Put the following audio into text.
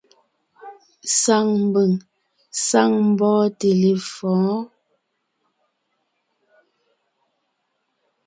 Saŋ mbʉ̀ŋ, saŋ mbɔ́ɔnte lefɔ̌ɔn.